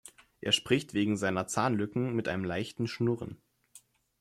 Er spricht wegen seiner Zahnlücken mit einem leichten Schnurren.